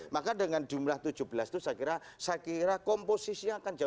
maka dengan jumlah tujuh belas itu saya kira komposisinya akan jauh